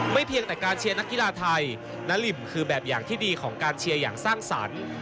เพียงแต่การเชียร์นักกีฬาไทยนาริมคือแบบอย่างที่ดีของการเชียร์อย่างสร้างสรรค์